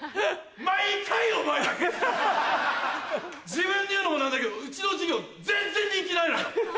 自分で言うのも何だけどうちの授業全然人気ないのよ。